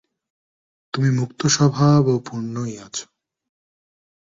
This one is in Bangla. তুমি মুক্তস্বভাব ও পূর্ণই আছ।